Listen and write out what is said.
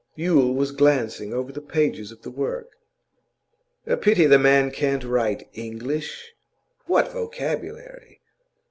Yule was glancing over the pages of the work. 'A pity the man can't write English.' What a vocabulary!